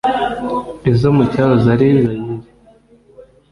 izo mu cyahoze ari ari Zaire